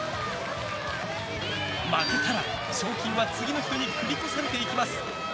負けたら、賞金は次の人に繰り越されていきます。